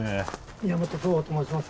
宮本祖豊と申します。